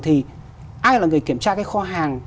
thì ai là người kiểm tra cái kho hàng